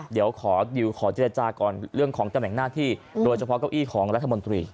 เดี๋ยวขอดิวขอเจรจาก่อนเรื่องของตำแหน่งหน้าที่โดยเฉพาะเก้าอี้ของรัฐมนตรี